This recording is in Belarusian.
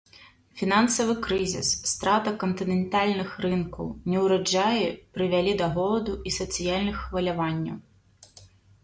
Фінансавы крызіс, страта кантынентальных рынкаў, неўраджаі прывялі да голаду і сацыяльных хваляванняў.